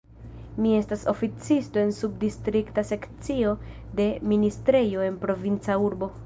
Mi estas oficisto en subdistrikta sekcio de ministrejo en provinca urbo.